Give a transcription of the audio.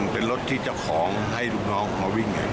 เป็นรถที่เจ้าของให้ลูกน้องมาวิ่ง